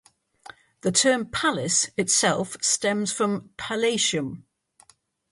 The term "palace" itself stems from "Palatium".